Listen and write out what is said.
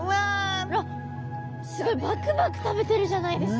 あっすごいバクバク食べてるじゃないですか！